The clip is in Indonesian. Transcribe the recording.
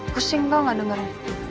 pusing kok gak dengerin